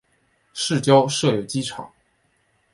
市郊设有机场。